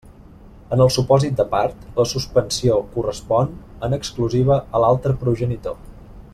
En el supòsit de part, la suspensió correspon en exclusiva a l'altre progenitor.